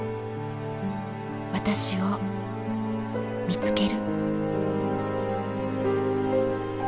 私を見つける。